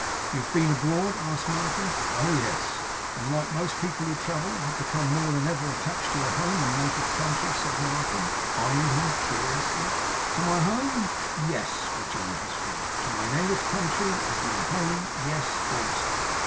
'You have been abroad?' asked Martin. 'Oh yes.' 'And, like most people who travel, have become more than ever attached to your home and native country,' said Martin, eyeing him curiously. 'To my home yes,' rejoined his friend. 'To my native country AS my home yes, also.